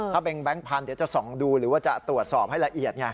ถ้าเป็นแบงค์พันธุ์เดี๋ยวจะส่องดูหรือว่าจะตรวจสอบให้ละเอียดไง